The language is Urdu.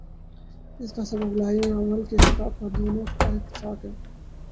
اس کا سبب لائحہ عمل کی سطح پر دونوں کا اتفاق ہے۔